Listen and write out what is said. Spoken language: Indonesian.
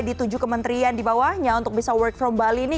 di tujuh kementerian di bawahnya untuk bisa work from bali ini